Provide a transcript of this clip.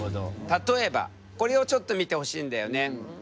例えばこれをちょっと見てほしいんだよね。